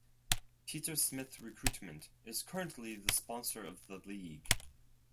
Peter Smith Recruitment is currently the sponsor of the league.